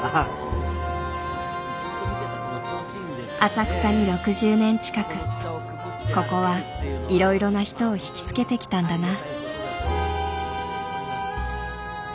浅草に６０年近くここはいろいろな人を引き付けてきたんだな。